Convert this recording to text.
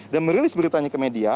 dan merilis beritanya ke media